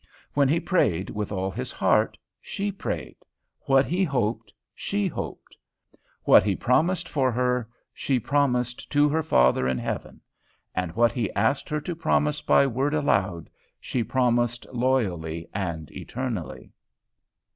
When he prayed with all his heart, she prayed; what he hoped, she hoped; what he promised for her, she promised to her Father in heaven; and what he asked her to promise by word aloud, she promised loyally and eternally.